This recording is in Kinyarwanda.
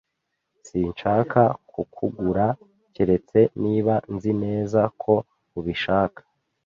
Sinshaka kukugura keretse niba nzi neza ko ubishaka.